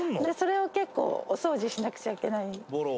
それを結構お掃除しなくちゃいけない。